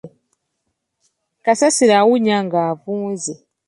Kasasiro awunya nga avunze.